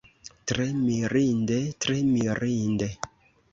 Tre mirinde, tre mirinde!